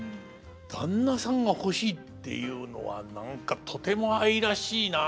「旦那さんが欲しい」っていうのは何かとても愛らしいなあ。